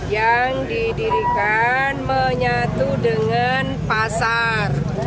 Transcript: yang didirikan menyatu dengan pasar